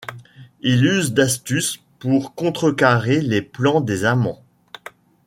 Il use d'astuces pour contrecarrer les plans des amants.